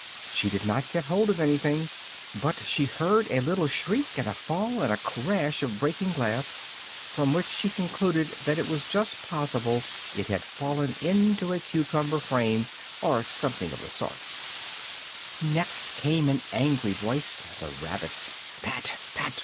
She did not get hold of anything, but she heard a little shriek and a fall and a crash of breaking glass, from which she concluded that it was just possible it had fallen into a cucumber frame, or something of the sort. Next came an angry voice the rabbit's "Pat, Pat!